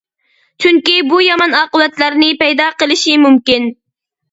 چۈنكى بۇ يامان ئاقىۋەتلەرنى پەيدا قىلىشى مۇمكىن.